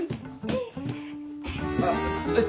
あっえっ